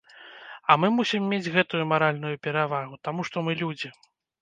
А мы мусім мець гэтую маральную перавагу, таму што мы людзі.